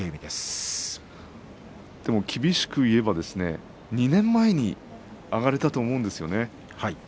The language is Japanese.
でも厳しく言えば２年前に上がれたと思うんですね。